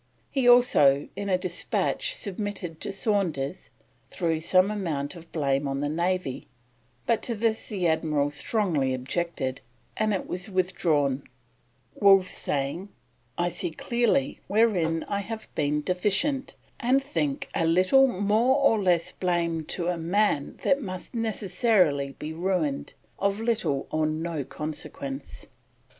He also, in a despatch submitted to Saunders, threw some amount of blame on the Navy, but to this the Admiral strongly objected, and it was withdrawn, Wolfe saying: "I see clearly wherein I have been deficient; and think a little more or less blame to a man that must necessarily be ruined, of little or no consequence."